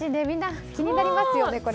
みんな気になりますよね。